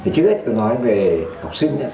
trước hết tôi nói về học sinh